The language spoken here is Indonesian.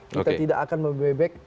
kita tidak akan membebek